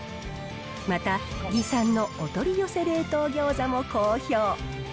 また魏さんのお取り寄せ冷凍餃子も好評。